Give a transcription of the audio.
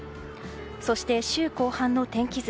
そして週後半の天気図。